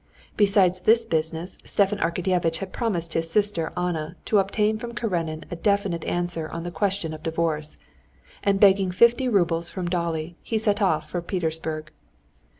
Besides this business, Stepan Arkadyevitch had promised his sister Anna to obtain from Karenin a definite answer on the question of divorce. And begging fifty roubles from Dolly, he set off for Petersburg.